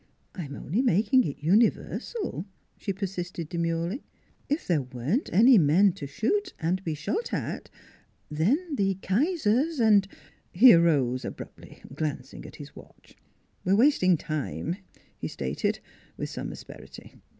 "" I'm only making it universal," she persisted demurely. " If there weren't any men to shoot and be shot at, then the Kaisers and " He arose abruptly, glancing at his watch. ' We are wasting time," he stated, with some asperity.